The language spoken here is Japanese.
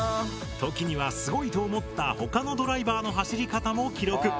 時にはすごいと思った他のドライバーの走り方も記録。